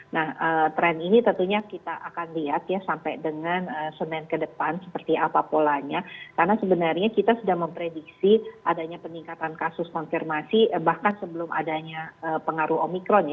nah tren ini tentunya kita akan lihat ya sampai dengan senin ke depan seperti apa polanya karena sebenarnya kita sudah memprediksi adanya peningkatan kasus konfirmasi bahkan sebelum adanya pengaruh omikron ya